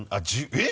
えっ！